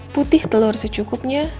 putih telur secukupnya